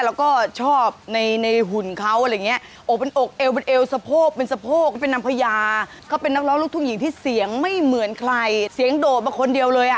โหยหน้าไอ้หูยังก็จานดาวเทียมนะคะ